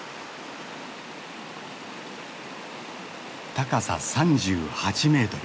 高さ３８メートル。